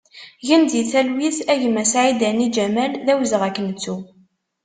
Gen di talwit a gma Saïdani Ǧamel, d awezɣi ad k-nettu!